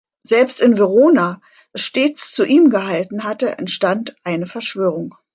Selbst in Verona, das stets zu ihm gehalten hatte, entstand eine Verschwörung.